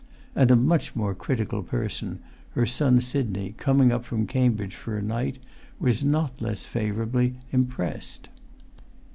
And a much more critical person, her son Sidney, coming up from Cambridge for a night, was not less favourably impressed.